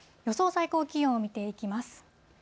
最高気温を見ていきます。